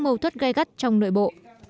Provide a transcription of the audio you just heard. mâu thuất gai gắt trong nội bộ